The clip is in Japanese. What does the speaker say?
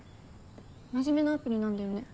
真面目なアプリなんだよね？